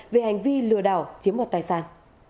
về hành vi lừa đảo chiếm đoạt tài sản